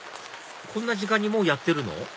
こんな時間にもうやってるの？